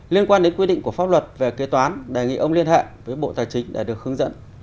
liên quan đến quy định của pháp luật về kế toán đề nghị ông liên hệ với bộ tài chính để được hướng dẫn